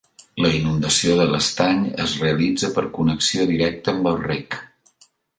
La inundació de l'estany es realitza per connexió directa amb el rec.